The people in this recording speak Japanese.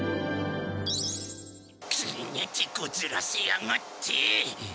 手こずらせやがって！